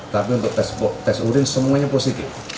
tapi untuk tes urin semuanya positif